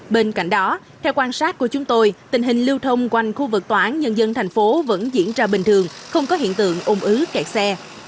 bên cạnh đó theo quan sát của chúng tôi tình hình lưu thông quanh khu vực tòa án nhân dân thành phố vẫn diễn ra bình thường không có hiện tượng ung ứ kẹt xe